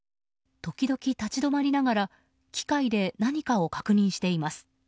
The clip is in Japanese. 時々、立ち止まりながら機械で何かを確認しています。